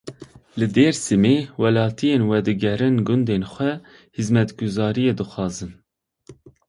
Li Dêrsimê welatiyên vedigerin gundên xwe xizmetgûzariyê dixwazin.